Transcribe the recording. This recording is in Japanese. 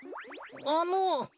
あの。